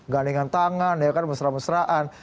gandengan tangan ya kan mesra mesraan